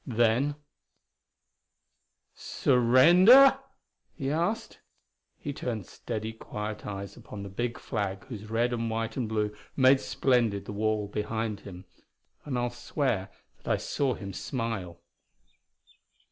Then: "Surrender?" he asked. He turned steady, quiet eyes upon the big flag whose red and white and blue made splendid the wall behind him and I'll swear that I saw him smile.